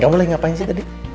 kamu lagi ngapain sih tadi